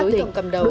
đối tượng cầm đầu